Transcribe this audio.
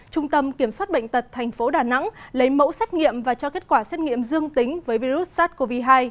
trung tâm kiểm soát bệnh tật tp đà nẵng lấy mẫu xét nghiệm và cho kết quả xét nghiệm dương tính với virus sars cov hai